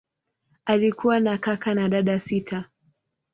Alikuwa na kaka na dada sita.